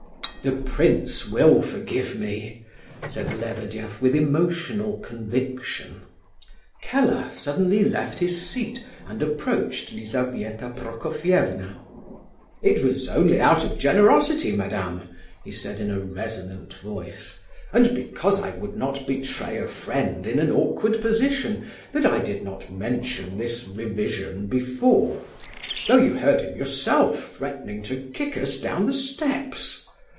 "The prince will forgive me!" said Lebedeff with emotional conviction. Keller suddenly left his seat, and approached Lizabetha Prokofievna. "It was only out of generosity, madame," he said in a resonant voice, "and because I would not betray a friend in an awkward position, that I did not mention this revision before; though you heard him yourself threatening to kick us down the steps.